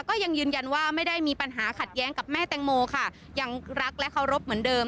ก็ยังยืนยันว่าไม่ได้มีปัญหาขัดแย้งกับแม่แตงโมค่ะยังรักและเคารพเหมือนเดิม